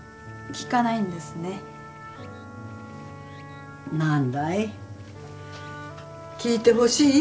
聞いてほしい？